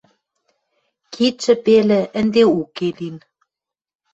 Кидшӹ пелӹ ӹнде уке лин.